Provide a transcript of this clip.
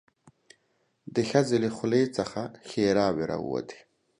د ښځې له خولې څخه ښيراوې راووتې.